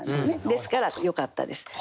ですからよかったです。